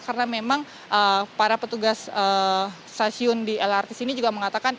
karena memang para petugas stasiun di lrt sini juga mengatakan